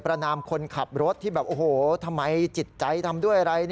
นามคนขับรถที่แบบโอ้โหทำไมจิตใจทำด้วยอะไร